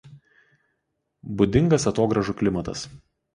Būdingas atogrąžų klimatas.